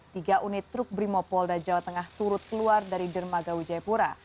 tiga unit truk brimopolda jawa tengah turut keluar dari dermaga wijayapura